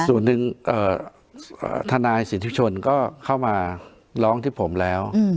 ส่วนหนึ่งอ่าท่านายศิริชนก็เข้ามาร้องที่ผมแล้วอืม